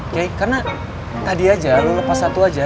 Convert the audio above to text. kayaknya tadi aja lu lepas satu aja